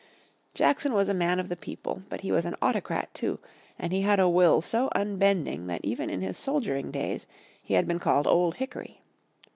Jackson was a man of the people, but he was an autocrat too, and he had a will so unbending that even in his soldiering days he had been called Old Hickory.